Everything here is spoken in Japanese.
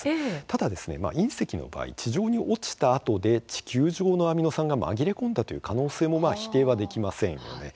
ただ隕石の場合、地上に落ちたあとで地球上のアミノ酸が紛れ込んだという可能性も否定はできません。